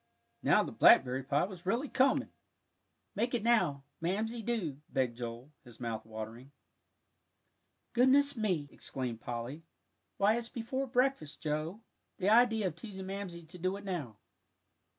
Now the blackberry pie was really coming! "Make it now. Make it now, Mamsie, do," begged Joel, his mouth watering. "Goodness me!" exclaimed Polly; "why, it's before breakfast, Joe. The idea of teasing Mamsie to do it now."